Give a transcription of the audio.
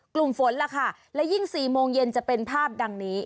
กลุ่มฝนล่ะค่ะและยิ่ง๔โมงเย็นจะเป็นภาพดังนี้